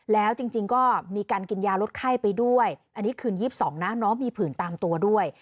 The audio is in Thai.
แล้วจริงก็มีการกินยาลดไข้ไปด้วยอันนี้คืน๒๒นะน้องมีผื่นตามตัวด้วย